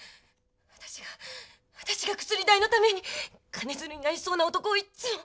私が私が薬代のために金づるになりそうな男をいっつも。